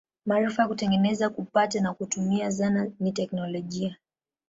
Maarifa ya kutengeneza, kupata na kutumia zana ni teknolojia.